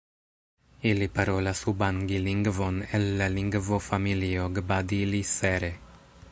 Ili parolas ubangi-lingvon el la lingvofamilio Gbadili-Sere.